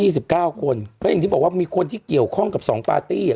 ได้เห็นที่๑๙คนแล้วที่บอกว่ามีคนที่เกี่ยวข้องกับ๒นี่ใช่ไหม